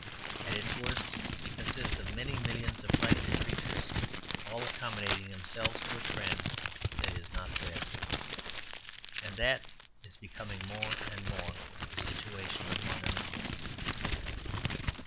At its worst it consists of many millions of frightened creatures all accommodating themselves to a trend that is not there. And that is becoming more and more the situation of modern England.